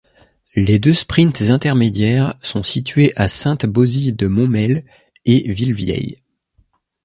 Les deux sprints intermédiaires sont situés à Saint-Bauzille-de-Montmel et Villevieille.